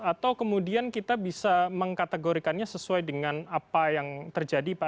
atau kemudian kita bisa mengkategorikannya sesuai dengan apa yang terjadi pak